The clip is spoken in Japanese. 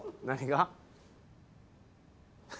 何が？